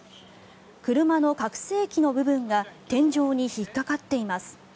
車の拡声器の部分が天井に引っかかっています。